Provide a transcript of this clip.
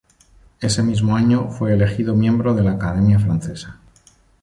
Ese mismo año fue elegido miembro de la Academia francesa.